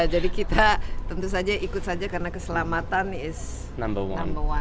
jadi kita tentu saja ikut saja karena keselamatan is number one